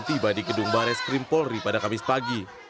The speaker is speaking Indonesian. tiba di gedung baret skrimpolri pada kamis pagi